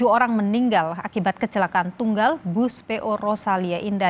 tujuh orang meninggal akibat kecelakaan tunggal bus po rosalia indah